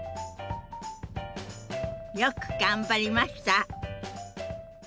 よく頑張りました！